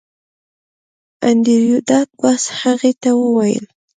انډریو ډاټ باس هغې ته وویل